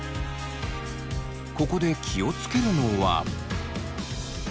ここで気を付けるのは。